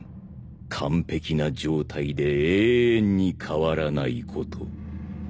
完璧な状態で永遠に変わらないこと。